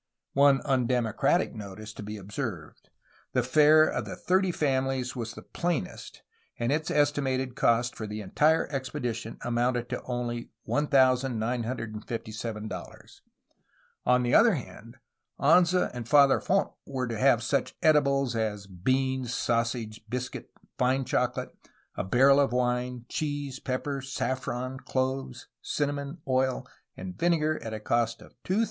One undemocratic note is to be observed. The fare of the thirty famihes was of the plainest, and its estimated cost for the entire expedition amounted only to $1957. On the other hand Anza and Father Font were to have such edibles as beans, sausage, biscuit, fine chocolate, a barrel of wine, cheese, pepper, saffron, cloves, cinnamon, oil, and vinegar at a cost of $2232.